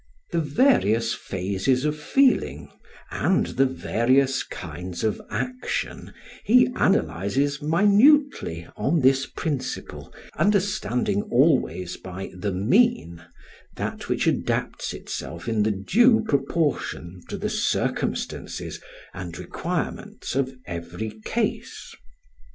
The various phases of feeling and the various kinds of action he analyses minutely on this principle, understanding always by "the mean" that which adapts itself in the due proportion to the circumstances and requirements of every case.